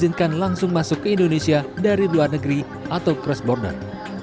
kedua disediakan langsung masuk ke indonesia dari luar negeri atau cross border